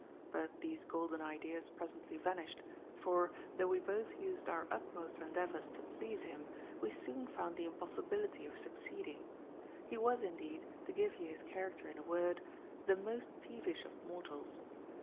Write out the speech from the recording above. But these golden ideas presently vanished; for, though we both used our utmost endeavours to please him, we soon found the impossibility of succeeding. He was, indeed, to give you his character in a word, the most peevish of mortals.